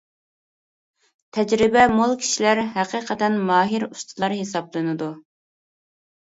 تەجرىبە مول كىشىلەر ھەقىقەتەن ماھىر ئۇستىلار ھېسابلىنىدۇ.